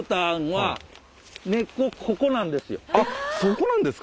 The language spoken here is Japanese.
あそこなんですか？